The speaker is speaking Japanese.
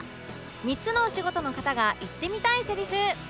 ３つのお仕事の方が言ってみたいセリフ